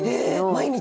毎日？